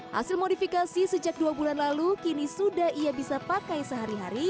hasil modifikasi sejak dua bulan lalu kini sudah ia bisa pakai sehari hari